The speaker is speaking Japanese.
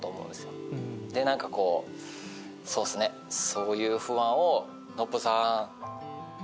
そういう不安を。